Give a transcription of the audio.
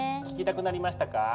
聞きたくなりましたか？